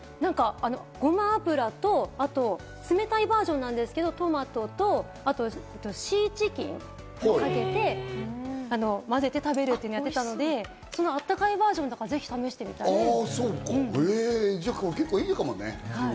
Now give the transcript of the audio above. ごま油と冷たいバージョンなんですけど、トマトとシーチキンかけて混ぜて食べるっていうのをやっていたので、そのあったかいバージョンなので、ぜひやってみたいです。